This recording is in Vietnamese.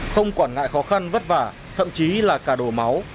không quản ngại khó khăn vất vả thậm chí là cả đồ máu